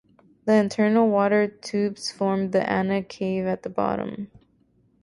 The internal water tubes formed the Anna Cave at the bottom.